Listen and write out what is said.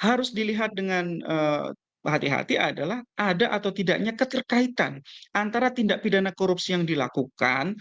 harus dilihat dengan hati hati adalah ada atau tidaknya keterkaitan antara tindak pidana korupsi yang dilakukan